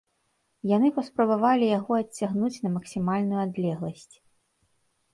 Яны паспрабавалі яго адцягнуць на максімальную адлегласць.